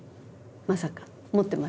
まさか思ってますね？